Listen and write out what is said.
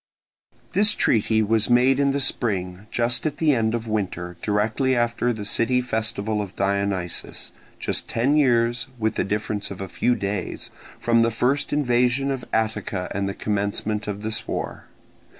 This treaty was made in the spring, just at the end of winter, directly after the city festival of Dionysus, just ten years, with the difference of a few days, from the first invasion of Attica and the commencement of this war.